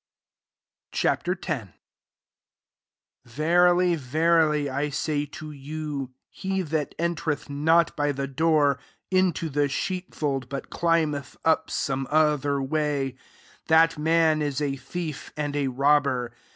Ch. X. 1 « Verily, verily I say to you, he that entereth not by the door, into the sheep fold, but climbeth up some other way, that man is a thief and a robber.